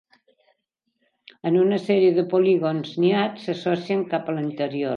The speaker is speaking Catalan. En una sèrie de polígons niats, s'associen cap a l'interior.